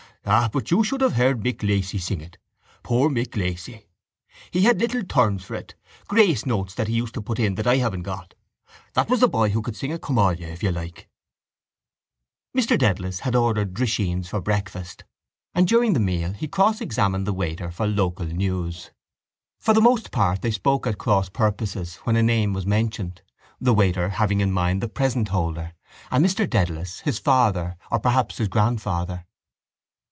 Ah, but you should have heard Mick Lacy sing it! Poor Mick Lacy! He had little turns for it, grace notes that he used to put in that I haven't got. That was the boy who could sing a come all you, if you like. Mr Dedalus had ordered drisheens for breakfast and during the meal he cross examined the waiter for local news. For the most part they spoke at cross purposes when a name was mentioned, the waiter having in mind the present holder and Mr Dedalus his father or perhaps his grandfather.